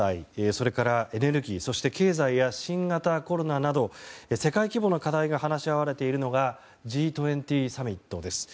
それからエネルギー経済や新型コロナなど世界規模の課題が話し合われているのがＧ２０サミットです。